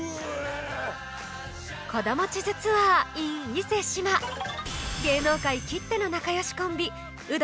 『子ども地図ツアーｉｎ伊勢志摩』芸能界きっての仲良しコンビウド